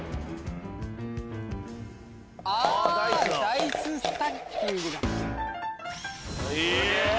ダイススタッキングだ。